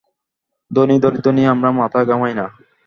ধনী-দরিদ্র নিয়ে আমরা মাথা ঘামাই না।